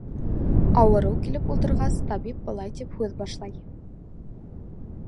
Ауырыу килеп ултырғас, табип былай тип һүҙ башлай: